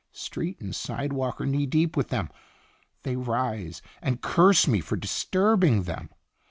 Street and sidewalk are knee deep with them. They rise and curse me for dis turbing them.